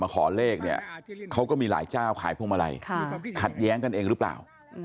ขอเลขเนี่ยเขาก็มีหลายเจ้าขายพวงมาลัยขัดแย้งกันเองหรือเปล่า